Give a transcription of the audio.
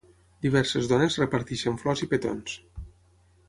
Diverses dones reparteixen flors i petons.